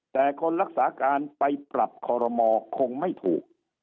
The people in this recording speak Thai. แต่คนรักษาการไปปรับคอรมอคงไม่ถูก